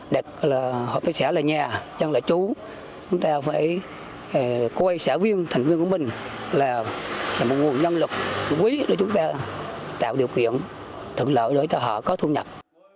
được họ phát xã là nhà chẳng là chú chúng ta phải quay xã viên thành viên của mình là một nguồn nhân lực quý để chúng ta tạo điều kiện thượng lợi đối với họ có thu nhập